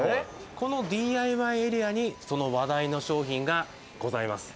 このＤＩＹエリアに、その話題の商品がございます。